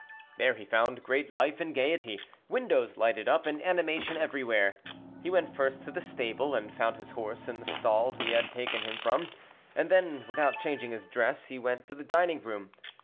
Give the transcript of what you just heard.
There he found great life and gaiety, windows lighted up, and animation everywhere. He went first to the stable, and found his horse in the stall he had taken him from; then, without changing his dress, he went to the dining room.